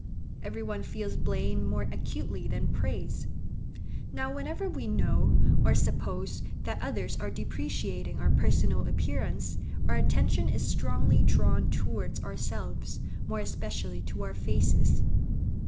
Every one feels blame more acutely than praise. Now, whenever we know, or suppose, that others are depreciating our personal appearance, our attention is strongly drawn towards ourselves, more especially to our faces.